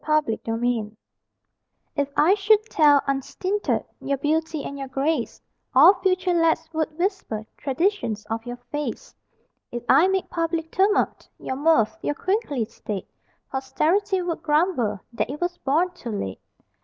_] REFUSING YOU IMMORTALITY If I should tell, unstinted, Your beauty and your grace, All future lads would whisper Traditions of your face; If I made public tumult Your mirth, your queenly state, Posterity would grumble That it was born too late.